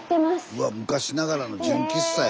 うわっ昔ながらの純喫茶や。